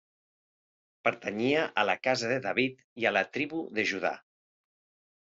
Pertanyia a la Casa de David i a la Tribu de Judà.